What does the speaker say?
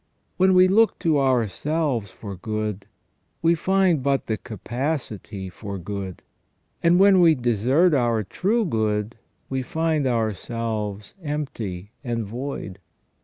When we look to ourselves for good, we find but the capacity for good ; and when we desert our true good we find ourselves empty and void.